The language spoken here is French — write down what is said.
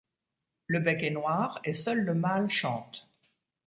Le bec est noir et seul le mâle chante.